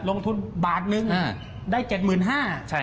ลงทุนบาทนึงได้๗๕๐๐บาท